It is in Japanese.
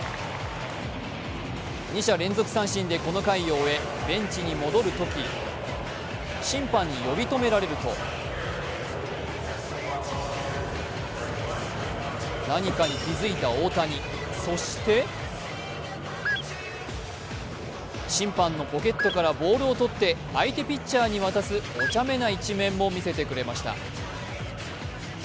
二者連続三振でこの回を終えベンチに戻るとき審判に呼び止められると何かに気づいた大谷、そして審判のポケットからボールを取って相手ピッチャーに渡すお茶目な一面も見せてくれました。